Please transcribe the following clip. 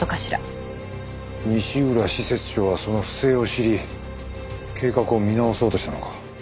西浦施設長はその不正を知り計画を見直そうとしたのか。